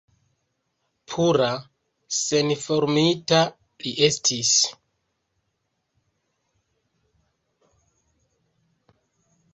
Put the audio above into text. Pura, senformita li estis!